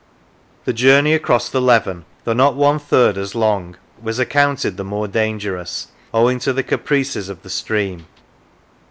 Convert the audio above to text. The journey across the Leven, though not one third as long, was accounted the more dangerous, owing to the caprices of the stream.